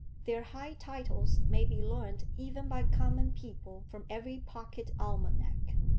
Their high titles may be learned even by common people from every pocket almanac.